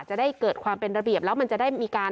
จะได้เกิดความเป็นระเบียบแล้วมันจะได้มีการ